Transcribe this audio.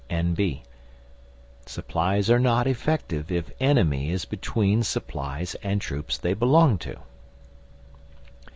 N.B. Supplies are not effective if enemy is between supplies and troops they belong to.